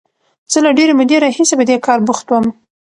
زه له ډېرې مودې راهیسې په دې کار بوخت وم.